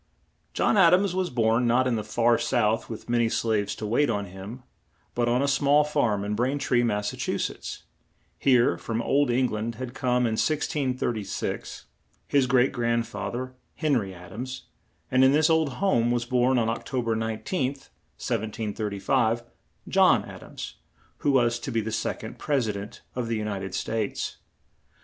John Ad ams was born, not in the far South with ma ny slaves to wait on him, but on a small farm in Brain tree, Mass. Here, from old Eng land had come, in 1636, his great grand fa ther, Hen ry Ad ams; and in this old home was born on Oc to ber 19th, 1735, John Ad ams, who was to be the sec ond Pres i dent of the U nit ed States.